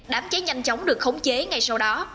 đám cháy nhanh chóng được khống chế ngay sau đó